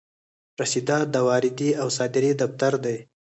رسیدات د واردې او صادرې دفتر دی.